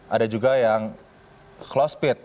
ada juga yang closed pit